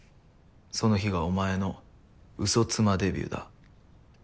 その日がお前のうそ妻デビューだ。